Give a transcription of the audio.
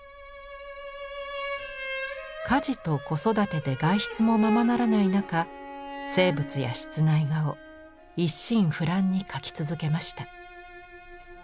家事と子育てで外出もままならない中静物や室内画を一心不乱に描き続けました。